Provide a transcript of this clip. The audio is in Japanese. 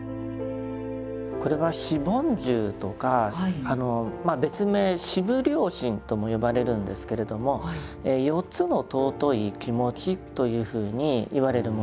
これは「四梵住」とか別名「四無量心」とも呼ばれるんですけれども４つの尊い気持ちというふうにいわれるものです。